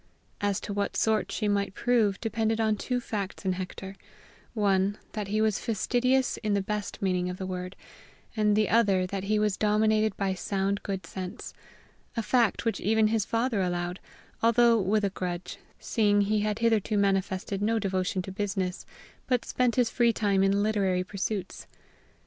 As to what sort she might prove depended on two facts in Hector one, that he was fastidious in the best meaning of the word, and the other that he was dominated by sound good sense; a fact which even his father allowed, although with a grudge, seeing he had hitherto manifested no devotion to business, but spent his free time in literary pursuits.